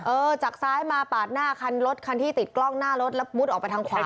จากซ้ายมาปาดหน้าคันรถคันที่ติดกล้องหน้ารถแล้วมุดออกไปทางขวา